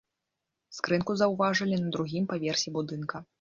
Скрынку заўважылі на другім паверсе будынка.